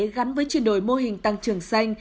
gắn với chuyển đổi mô hình tăng trưởng xanh